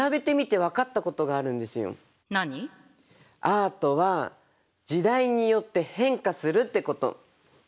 「アートは時代によって変化する」ってこと。